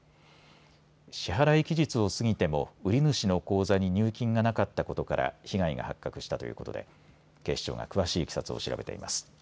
支払い期日を過ぎても売り主の口座に入金がなかったことから被害が発覚したということで警視庁が詳しいいきさつを調べています。